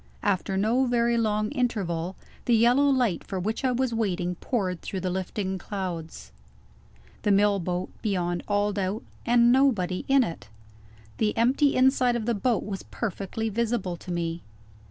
After no very long interval, the yellow light for which I was waiting poured through the lifting clouds. The mill boat, beyond all doubt and nobody in it! The empty inside of the boat was perfectly visible to me.